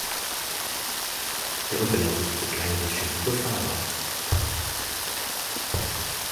Der Unterlauf ist für kleinere Schiffe befahrbar.